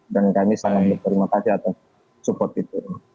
dan kami sangat berterima kasih atas support itu